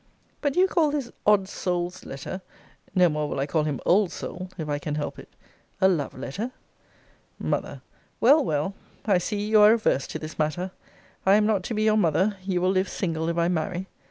But do you call this odd soul's letter [no more will I call him old soul, if I can help it] a love letter? M. Well, well, I see you are averse to this matter. I am not to be your mother; you will live single, if I marry.